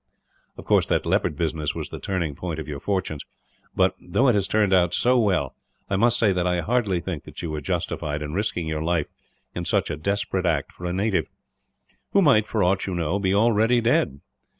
"Of course that leopard business was the turning point of your fortunes but, though it has turned out so well, I must say that I hardly think that you were justified in risking your life in such a desperate act for a native; who might, for aught you know, be already dead.